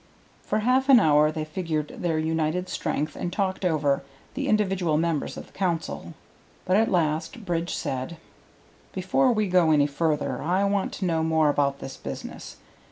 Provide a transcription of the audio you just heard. For half an hour they figured their united strength and talked over the individual members of the Council. But at last Bridge said: "Before we go any further, I want to know more about this business.